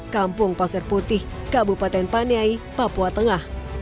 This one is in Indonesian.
kampung pasir putih kabupaten paniai papua tengah